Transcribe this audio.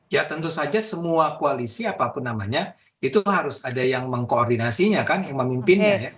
ya tentu saja semua koalisi apapun namanya itu harus ada yang mengkoordinasinya kan yang memimpinnya ya